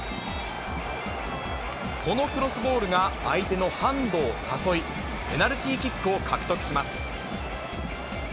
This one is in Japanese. このクロスボールが相手のハンドを誘い、ペナルティーキックを獲得します。